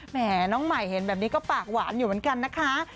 แม่น้องใหม่เห็นแบบนี้ก็ปากหวานอยู่เหมือนกันนะคะ